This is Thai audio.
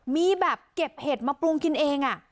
มีแบบเก็บเห็ดมาปรุงกินเอง